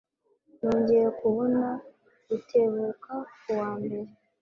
Nongeye kubona Rutebuka ku wa mbere.